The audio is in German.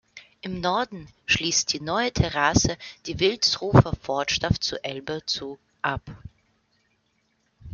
Im Norden schließt die Neue Terrasse die Wilsdruffer Vorstadt zur Elbe zu ab.